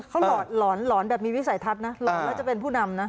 เขาหลอนแบบมีวิสัยทัศน์นะหลอนแล้วจะเป็นผู้นำนะ